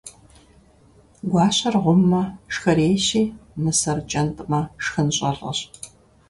Гуащэр гъуммэ, шхэрейщи, нысэр кӀэнтӀмэ, шхын щӀэлӀэщ.